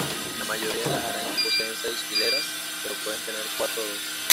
La mayoría de las arañas poseen seis hileras, pero pueden tener cuatro o dos.